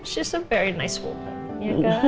dia orang yang sangat baik